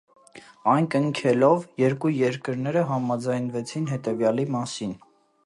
Այն կնքելով՝ երկու երկրները համաձայնվեցին հետևյալի մասին։